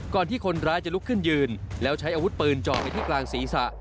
ที่คนร้ายจะลุกขึ้นยืนแล้วใช้อาวุธปืนจ่อไปที่กลางศีรษะ